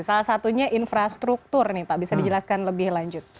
salah satunya infrastruktur nih pak bisa dijelaskan lebih lanjut